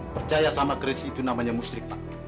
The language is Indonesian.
percaya sama keris itu namanya musrik pak